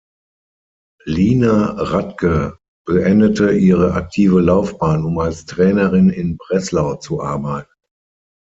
Lina Radke beendete ihre aktive Laufbahn, um als Trainerin in Breslau zu arbeiten.